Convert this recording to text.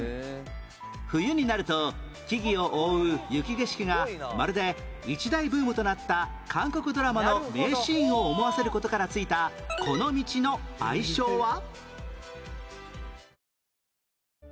冬になると木々を覆う雪景色がまるで一大ブームとなった韓国ドラマの名シーンを思わせる事からついたこの道の愛称は？